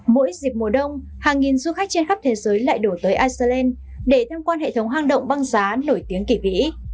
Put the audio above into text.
mỗi dịp mùa đông hàng nghìn du khách trên khắp thế giới lại đổ tới iceland để tham quan hệ hang động băng giá nổi tiếng kỷ vĩ